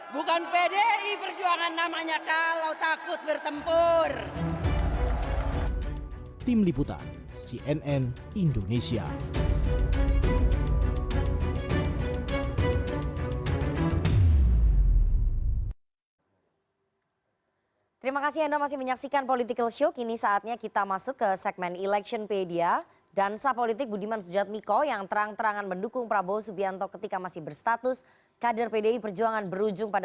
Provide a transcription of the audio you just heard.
bukan pdi perjuangan namanya kalau takut bertempur